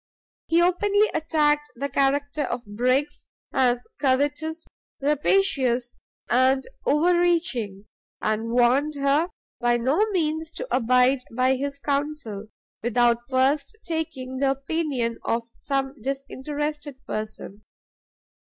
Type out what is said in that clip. He openly attacked the character of Briggs, as covetous, rapacious, and over reaching, and warned her by no means to abide by his counsel, without first taking the opinion of some disinterested person.